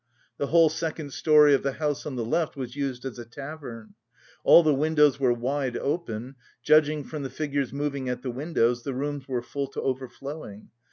The whole second storey of the house on the left was used as a tavern. All the windows were wide open; judging from the figures moving at the windows, the rooms were full to overflowing.